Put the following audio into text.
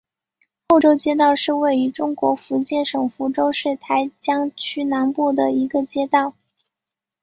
后洲街道是位于中国福建省福州市台江区南部的一个街道。